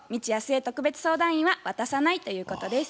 特別相談員は「渡さない」ということです。